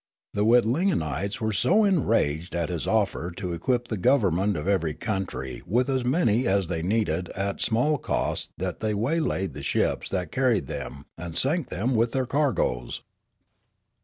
The Witlingenites were so enraged at his offer to equip the government of every country with as many as they needed at small cost that they wajdaid the ships that carried them and sank them with their cargoes.